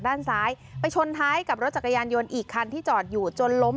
ด้านซ้ายไปชนท้ายกับรถจักรยานยนต์อีกคันที่จอดอยู่จนล้ม